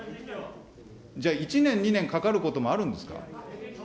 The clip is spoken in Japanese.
じゃあ、１年、２年かかることもあるんですか。